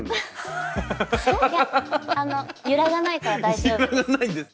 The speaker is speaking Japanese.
いやあの揺らがないから大丈夫です。